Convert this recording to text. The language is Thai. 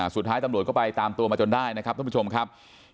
สุดท้ายตำรวจก็ไปตามตัวมาจนได้นะครับท่านผู้ชมครับ